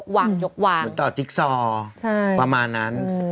เหมือนต่อจิ๊กซอร์ประมาณนั้น